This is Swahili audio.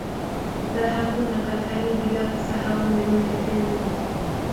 Dhahabu na katani bila kusahau meno ya Tembo